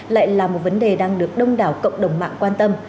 lại là một vấn đề đang được đông đảo cộng đồng mạng quan tâm